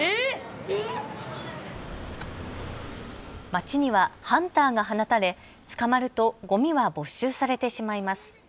街にはハンターが放たれ捕まるとごみは没収されてしまいます。